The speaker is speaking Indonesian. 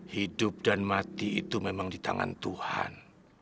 hidup dan mati itu memang di tangan tuhan